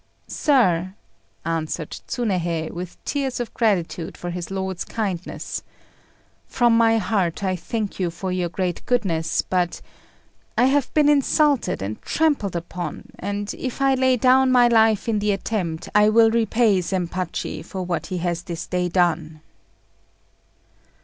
"Sir," answered Tsunéhei, with tears of gratitude for his lord's kindness, "from my heart I thank you for your great goodness; but I have been insulted and trampled upon, and, if I lay down my life in the attempt, I will repay Zempachi for what he has this day done."